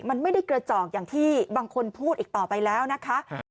มันไม่ได้กระจอกอย่างที่บางคนพูดอีกต่อไปแล้วนะคะ